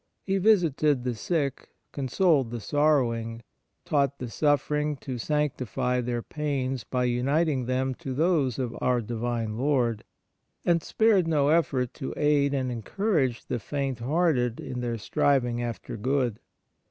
He visited the sick, consoled the sorrowing, taught the suffering to sanctify their pains by uniting them to those of our Divine Lord, and spared no effort to aid and encourage the faint hearted in their striving after good.